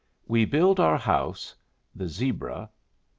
WE BUILD OUR HOUSE. — THE ZEBRA.